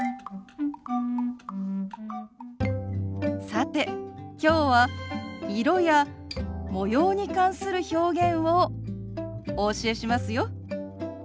さてきょうは色や模様に関する表現をお教えしますよ。